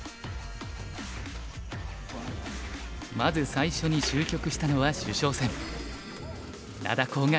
まず最初に終局したのは主将戦。